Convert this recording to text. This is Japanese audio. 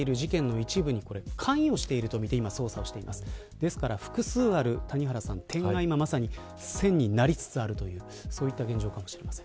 ですから複数ある点が今、まさに線になりつつあるというそういった現状かもしれません。